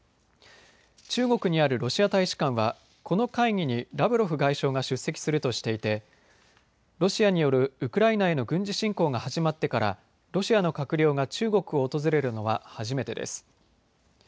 中国にあるロシア大使館はこの会議にラブロフ外相が出席するとしていてロシアによるウクライナへの軍事侵攻が始まってからロシアの閣僚が中国を訪れるのは初めてです。